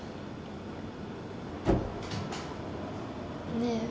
ねえ。